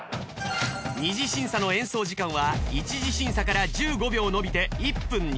二次審査の演奏時間は一次審査から１５秒延びて１分に。